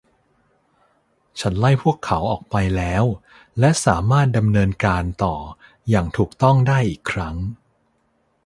ฉันไล่พวกเขาออกไปแล้วและสามารถดำเนินการต่ออย่างถูกต้องได้อีกครั้ง